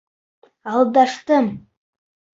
Алдаштым!